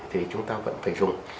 thì chúng ta vẫn phải dùng